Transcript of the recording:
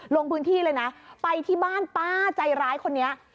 ลงพื้นที่เลยนะไปที่บ้านป้าใจร้ายคนนี้